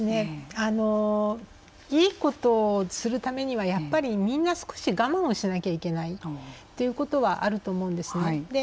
いいことをするためにはやっぱりみんな少し我慢しなくてはいけないということはあると思うんですね。